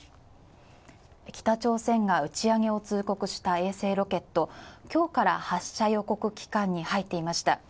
北朝鮮が打ち上げを通告した衛星ロケット、今日から発射予告期間に入っていました。